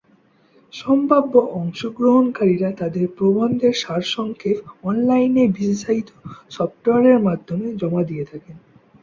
সম্ভাব্য অংশগ্রহণকারীরা তাদের প্রবন্ধের সারসংক্ষেপ অনলাইনে বিশেষায়িত সফটওয়্যারের মাধ্যমে জমা দিয়ে থাকেন।